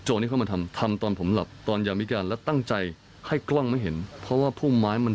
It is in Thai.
หรือมาคนเดียวก็ได้